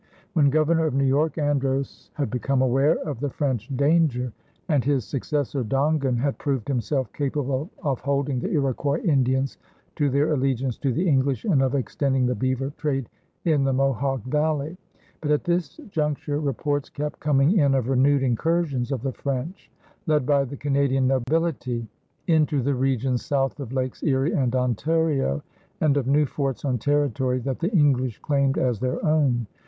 When Governor of New York, Andros had become aware of the French danger, and his successor Dongan had proved himself capable of holding the Iroquois Indians to their allegiance to the English and of extending the beaver trade in the Mohawk Valley. But at this juncture reports kept coming in of renewed incursions of the French, led by the Canadian nobility, into the regions south of Lakes Erie and Ontario, and of new forts on territory that the English claimed as their own.